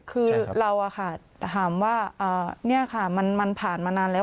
คือเราถามว่านี่ค่ะมันผ่านมานานแล้ว